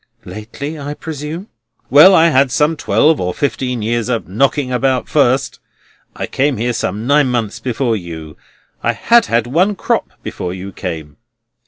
"Lately, I presume?" "Well, I had had twelve or fifteen years of knocking about first. I came here some nine months before you; I had had one crop before you came.